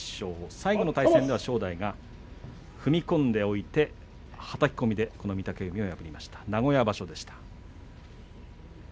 最後の対戦では正代が踏み込んで、はたき込みで御嶽海を破りました名古屋場所でした。